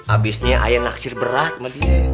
abisnya aye naksir berat mah dia